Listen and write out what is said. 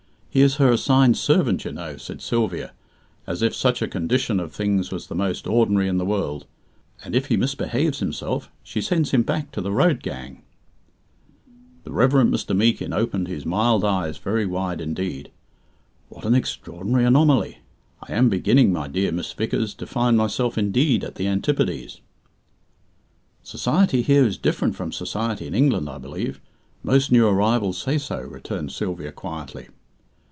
He is her assigned servant, you know," said Sylvia, as if such a condition of things was the most ordinary in the world, "and if he misbehaves himself, she sends him back to the road gang." The Reverend Mr. Meekin opened his mild eyes very wide indeed. "What an extraordinary anomaly! I am beginning, my dear Miss Vickers, to find myself indeed at the antipodes." "Society here is different from society in England, I believe. Most new arrivals say so," returned Sylvia quietly.